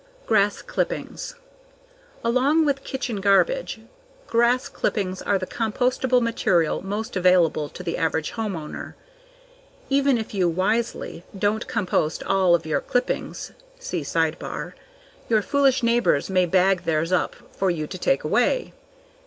_ Grass clippings. Along with kitchen garbage, grass clippings are the compostable material most available to the average homeowner. Even if you (wisely) don't compost all of your clippings (see sidebar), your foolish neighbors may bag theirs up for you to take away.